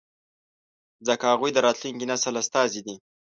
ځکه هغوی د راتلونکي نسل استازي دي.